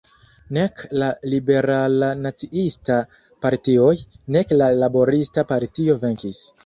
Nek la Liberala-Naciista partioj, nek la Laborista partio venkis.